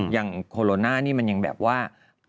อย่างโคโรนานี่มันยังแบบว่า